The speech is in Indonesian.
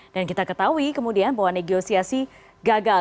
dan kita ketahui kemudian bahwa negosiasi gagal